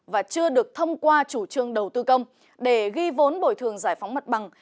và chưa được thông qua chủ trương đầu tư công để ghi vốn bồi thường giải phóng mặt bằng